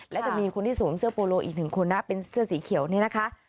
และจะมีคนที่สวมเสื้อโปโลอีกหนึ่งคนนะเป็นเสื้อสีเขียวนี่นะคะ